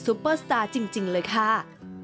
ซุปเปอร์สตาร์จริงจริงเลยค่ะ